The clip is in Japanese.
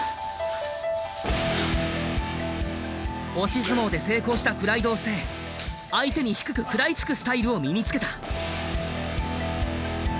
押し相撲で成功したプライドを捨て相手に低く食らいつくスタイルを身につけた。